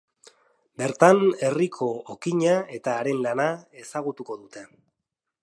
Bertan, herriko okina eta haren lana ezagutuko dute.